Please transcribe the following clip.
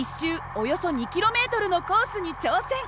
およそ２ｋｍのコースに挑戦。